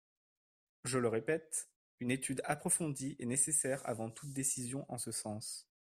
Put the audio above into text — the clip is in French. Je le répète : une étude approfondie est nécessaire avant toute décision en ce sens.